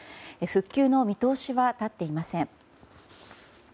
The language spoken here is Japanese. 復旧の見通しは立っていません。